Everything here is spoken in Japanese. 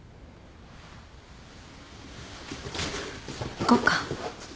行こっか。